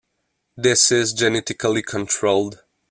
This is genetically controlled.